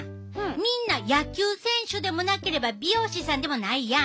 みんな野球選手でもなければ美容師さんでもないやん。